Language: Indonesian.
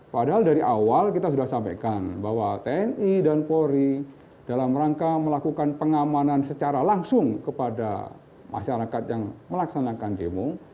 padahal dari awal kita sudah sampaikan bahwa tni dan polri dalam rangka melakukan pengamanan secara langsung kepada masyarakat yang melaksanakan demo